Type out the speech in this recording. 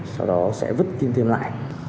sau đó sẽ vứt kim tiêm lại